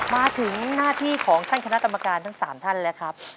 มาถึงหน้าที่ของท่านคณะกรรมการทั้ง๓ท่านแล้วครับ